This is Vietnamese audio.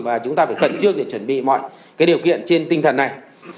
và chúng ta phải khẩn trương để chuẩn bị mọi điều kiện trên tinh thần này